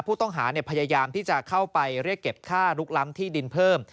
ผู้ต้องหาพยายามที่จะเข้าไปเรียกเก็บค่าลุกล้ำที่ดินเพิ่ม